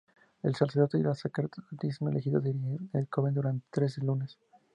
El Sacerdote y la Sacerdotisa elegidos dirigen al coven durante trece lunas.